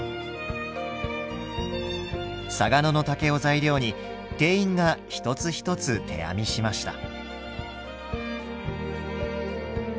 嵯峨野の竹を材料に店員が一つ一つ手編みしました。